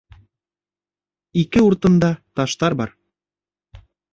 - Ике уртында таштар бар.